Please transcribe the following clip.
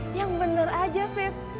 eh yang bener aja fief